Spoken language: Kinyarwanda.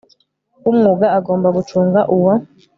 w umwuga agomba gucunga uwo